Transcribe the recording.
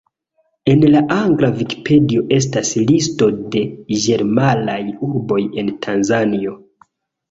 En la angla Vikipedio estas listo de ĝemelaj urboj en Tanzanio.